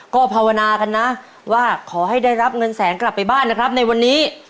ก็ภาวนากันนะว่าขอให้ได้รับเงินแสนกลับไปบ้านนะครับในวันนี้